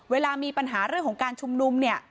เวลามีปัญหาเรื่องของการชุมนุมเนี่ย